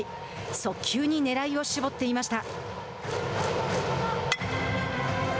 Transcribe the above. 速球にねらいを絞っていました。